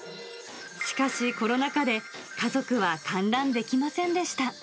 しかし、コロナ禍で家族は観覧できませんでした。